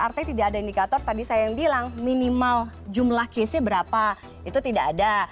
artinya tidak ada indikator tadi saya yang bilang minimal jumlah case nya berapa itu tidak ada